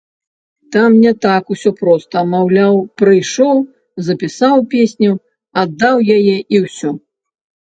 Там не так усё проста, маўляў, прыйшоў, запісаў песню, аддаў яе і ўсё.